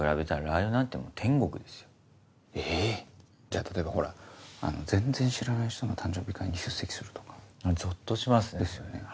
じゃ例えば全然知らない人の誕生日会に出席するとか？ゾッとしますね。ですよね。